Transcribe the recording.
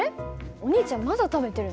お兄ちゃんまだ食べてるの？